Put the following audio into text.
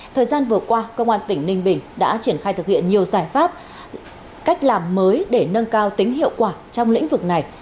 thời gian vừa qua công an tỉnh ninh bình đã triển khai thực hiện nhiều giải pháp cách làm mới để nâng cao tính hiệu quả trong lĩnh vực này